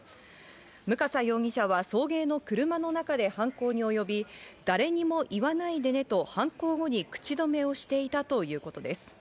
向笠容疑者は送迎の車の中で犯行に及び、誰にも言わないでねと犯行後に口止めをしていたということです。